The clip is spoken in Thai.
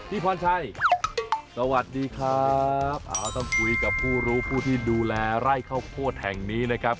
พรชัยสวัสดีครับต้องคุยกับผู้รู้ผู้ที่ดูแลไร่ข้าวโพดแห่งนี้นะครับ